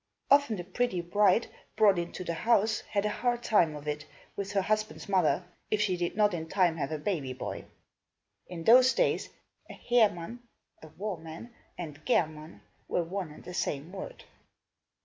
Often the pretty bride, brought into the house, had a hard time of it, with her husband's mother, if she did not in time have a baby boy. In those days a "Herman," a "War Man" and "German" were one and the same word.